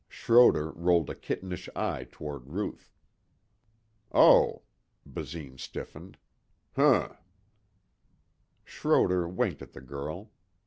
Schroder rolled a kittenish eye toward Ruth. "Oh!" Basine stiffened. "Hm." Schroder winked at the girl.